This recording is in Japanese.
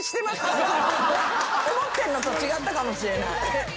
思ってんのと違ったかもしれない。